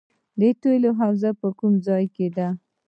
د تیلو حوزه په کوم ځای کې ده؟